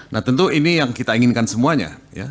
nah tentu ini yang kita inginkan semuanya